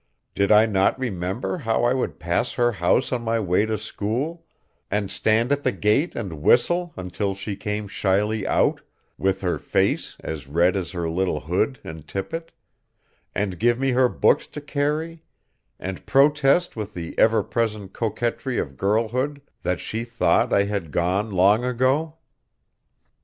Did I not remember how I would pass her house on my way to school, and stand at the gate and whistle until she came shyly out, with her face as red as her little hood and tippet, and give me her books to carry, and protest with the ever present coquetry of girlhood that she thought I had gone long ago?